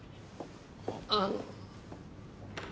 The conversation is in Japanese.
あの。